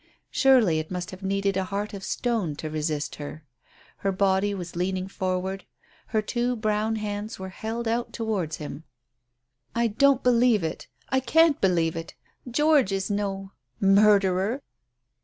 Surely it must have needed a heart of stone to resist her. Her body was leaning forward, her two brown hands were held out towards him. "I don't believe it! I can't believe it! George is no murderer."